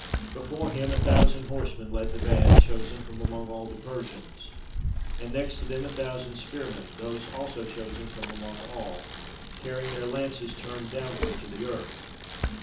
Before him a thousand horsemen led the van, chosen from among all the Persians; and next to them a thousand spearmen, those also chosen from among all, carrying their lances turned downward to the earth.